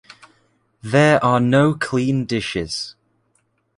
There are no clean dishes.